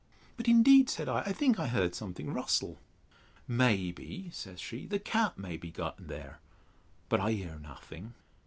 —But indeed, said I, I think I heard something rustle.—May be, says she, the cat may be got there: but I hear nothing.